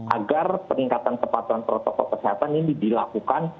agar peningkatan kepatuhan protokol kesehatan ini dilakukan